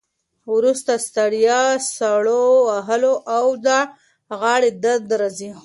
وروسته ستړیا، سړو وهلو او د غاړې درد راځي.